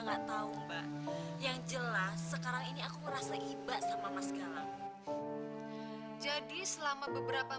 nggak tahu mbak yang jelas sekarang ini aku merasa iba sama mas galang jadi selama beberapa